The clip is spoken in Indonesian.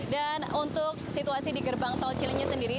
dan untuk situasi di gerbang tol cilenyi sendiri